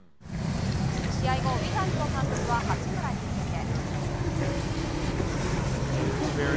試合後、ウィザーズの監督は八村について。